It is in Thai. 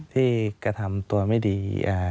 ที่กระทำตัวไม่ดี